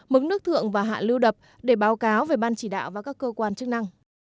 mức nước thượng và hạ lưu đập để báo cáo về ban chỉ đạo và các cơ quan chức năng